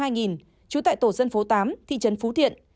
trú tại tổ dân phố tám thị trấn phú thiện